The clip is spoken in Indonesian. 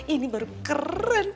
ini baru keren